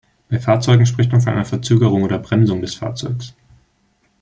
Bei Fahrzeugen spricht man von einer Verzögerung oder Bremsung des Fahrzeugs.